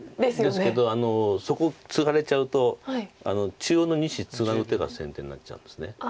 ですけどそこツガれちゃうと中央の２子ツナぐ手が先手になっちゃうんです。